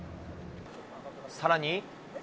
さらに。